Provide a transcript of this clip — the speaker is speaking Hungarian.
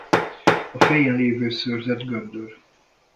A fején lévő szőrzet göndör.